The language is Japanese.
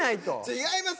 違います